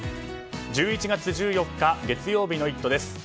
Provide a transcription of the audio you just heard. １１月１４日月曜日の「イット！」です。